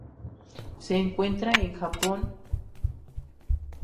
Se encuentra en Japón